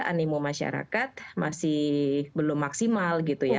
animo masyarakat masih belum maksimal gitu ya